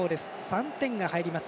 ３点が入ります。